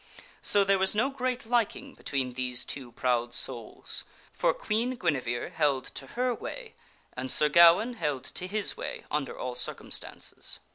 So there was no great liking between these two proud souls, for Queen Guinevere held to her way and Sir Gawaine held to his way under all circumstances.